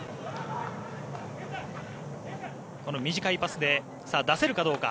この短いパスで出せるかどうか。